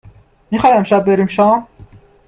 میخوای امشب بریم شام ؟